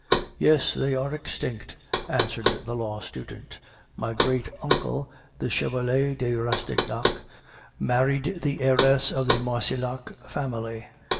"Yes, they are extinct," answered the law student. "My great uncle, the Chevalier de Rastignac, married the heiress of the Marcillac family.